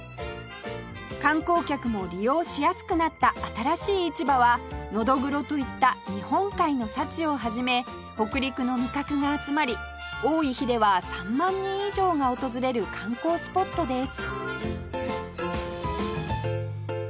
観光客も利用しやすくなった新しい市場はノドグロといった日本海の幸をはじめ北陸の味覚が集まり多い日では３万人以上が訪れる観光スポットです